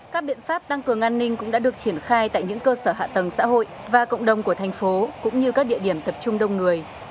các biện pháp tăng cường an ninh cũng đã được triển khai tại những cơ sở hạ tầng xã hội và cộng đồng của thành phố cũng như các địa điểm tập trung đông người